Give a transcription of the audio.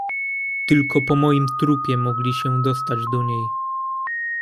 "Tylko po moim trupie mogli się dostać do niej."